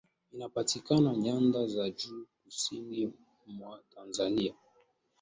inapatikana nyanda za juu kusini mwa tanzania